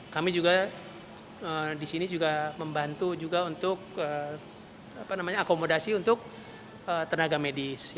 kami juga disini membantu untuk akomodasi untuk tenaga medis